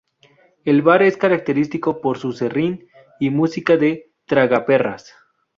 El bar es característico por su serrín y música de tragaperras.